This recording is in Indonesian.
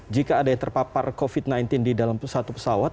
jika ada yang terpapar covid sembilan belas di dalam satu pesawat